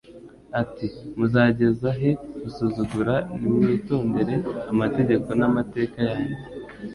ati: “Muzageza he gusuzugura ntimwitondere amategeko n’amateka yanjye.”